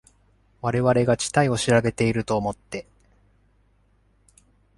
我々が地帯を調べていると思って。